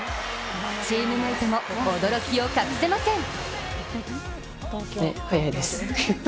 チームメイトも驚きを隠せません。